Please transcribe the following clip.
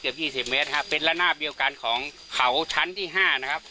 เกือบยี่สิบเมตรครับเป็นละหน้าเดียวกันของเขาชั้นที่ห้านะครับ